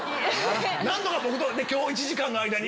何とか今日１時間の間に。